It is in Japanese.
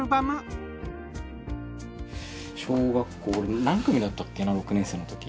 小学校何組だったっけな６年生のとき。